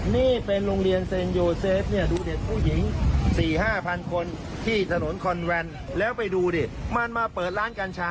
นี่เป็นโรงเรียนเซนโยเซฟดูเด็กผู้หญิง